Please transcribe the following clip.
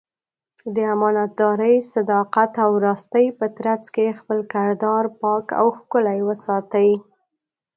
د امانتدارۍ، صداقت او راستۍ په ترڅ کې خپل کردار پاک او ښکلی وساتي.